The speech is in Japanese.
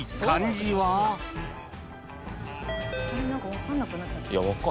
分かんなくなっちゃった。